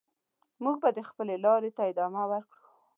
موږ به د خپلې لارې ته ادامه ورکړو.